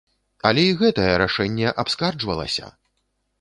Але і гэтае рашэнне абскарджвалася!